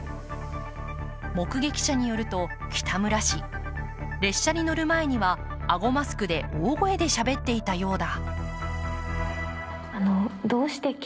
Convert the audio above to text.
目撃者によると、北村氏、列車に乗る前には顎マスクで大声でしゃべっていたようだ。